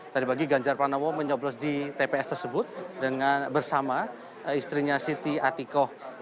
tadi pagi ganjar pranowo menyoblos di tps tersebut bersama istrinya siti atikoh